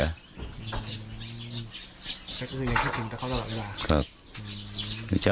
แต่ตอนนี้เขาไม่รู้ว่าจะเป็นคนใหญ่นะครับ